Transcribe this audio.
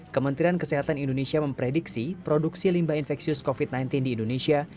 kementerian kesehatan indonesia memprediksi produksi limbah infeksius covid sembilan belas di indonesia